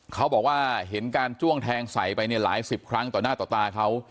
เขาบอกว่าเห็นการจ้วงแทงใส่ไปเนี่ยหลายสิบครั้งต่อหน้าต่อตาเขา